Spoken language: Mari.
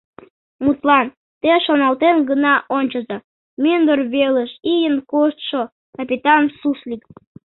Мутлан, те шоналтен гына ончыза: мӱндыр велыш ийын коштшо капитан Суслик...